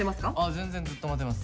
全然ずっと待てます。